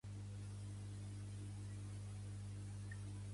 Les joves som i serem sempre antifeixistes!